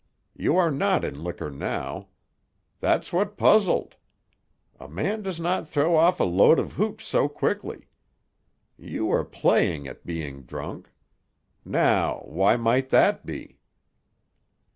You are not in liquor now. That's what puzzled. A man does not throw off a load of hooch so quickly. You were playing at being drunk. Now, why might that be?"